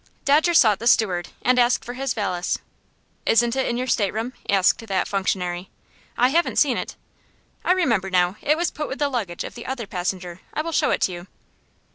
Dodger sought the steward, and asked for his valise. "Isn't it in your stateroom?" asked that functionary. "I haven't seen it." "I remember now. It was put with the luggage of the other passenger. I will show it to you."